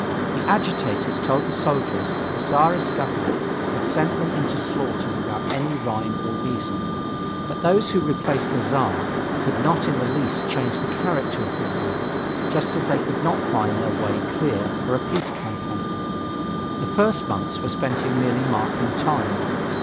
The agitators told the soldiers that the Czarist Government had sent them into slaughter without any rime or reason. But those who replaced the Czar could not in the least change the character of the war, just as they could not find their way clear for a peace campaign. The first months were spent in merely marking time.